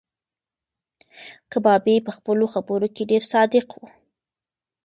کبابي په خپلو خبرو کې ډېر صادق و.